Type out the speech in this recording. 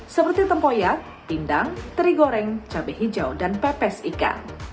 seperti tempoya pindang teri goreng cabai hijau dan pepes ikan